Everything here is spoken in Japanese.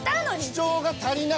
主張が足りない。